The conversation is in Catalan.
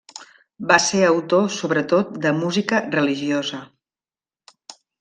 Va ser autor sobretot de música religiosa.